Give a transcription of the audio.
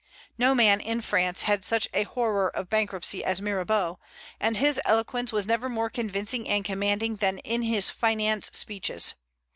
No man in France had such a horror of bankruptcy as Mirabeau, and his eloquence was never more convincing and commanding than in his finance speeches.